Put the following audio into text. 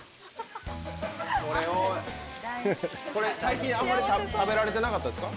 これ、最近あんまり食べられてなかったですか？